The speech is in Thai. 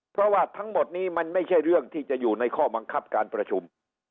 เพราะว่าทั้งหมดนี้มันไม่ใช่เรื่องที่จะอยู่ในข้อบังคับการประชุม